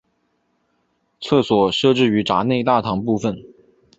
厕所设置于闸内大堂部分。